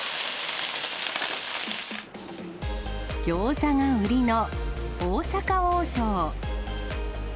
ギョーザが売りの大阪王将。